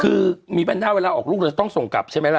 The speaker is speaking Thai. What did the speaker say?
คือมีแว่นหน้าเวลาออกลูกเราจะต้องส่งกลับใช่ไหมล่ะ